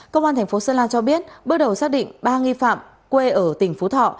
công an tp sơn la cho biết bước đầu xác định ba nghi phạm quê ở tỉnh phú thọ